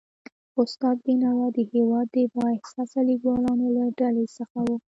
استاد بینوا د هيواد د با احساسه لیکوالانو له ډلې څخه و.